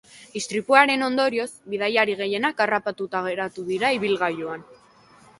Istripuaren ondorioz, bidaiari gehienak harrapatuta geratu dira ibilgailuan.